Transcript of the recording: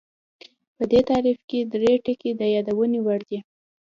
په دې تعریف کې درې ټکي د یادونې وړ دي